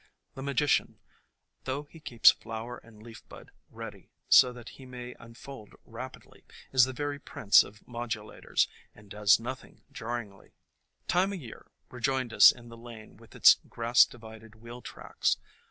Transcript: The Magician, though he keeps flower and leaf bud ready so that he may THE COMING OF SPRING 9 unfold rapidly, is the very prince of modulators, and does nothing jarringly. Time o' Year rejoined us in the lane with its grass divided wheel tracks.